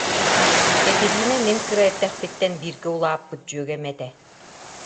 Кэтириинэ мин кыра эрдэхпиттэн бииргэ улааппыт дьүөгэм этэ